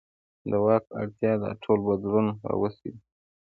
د واک اړتیا دا ټول بدلون راوستی دی.